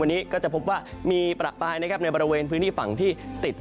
วันนี้ก็จะพบว่ามีประปรายนะครับในบริเวณพื้นที่ฝั่งที่ติด